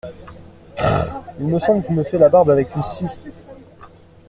Crrrr … il me semble qu'on me fait la barbe avec une scie !